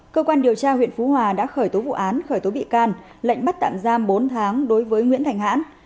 cơ quan điều tra huyện phú hòa đã khởi tố vụ án khởi tố bị can lệnh bắt tạm giam bốn tháng đối với nguyễn thành hãn